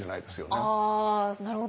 ああなるほど。